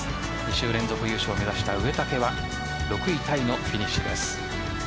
２週連続優勝を目指した植竹は６位タイのフィニッシュです。